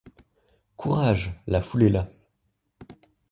Courage, la foule est là.